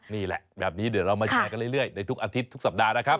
นี่แหละแบบนี้เดี๋ยวเรามาแชร์กันเรื่อยในทุกอาทิตย์ทุกสัปดาห์นะครับ